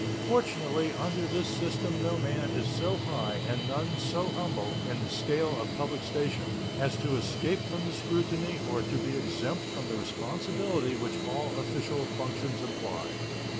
Fortunately, under this system no man is so high and none so humble in the scale of public station as to escape from the scrutiny or to be exempt from the responsibility which all official functions imply.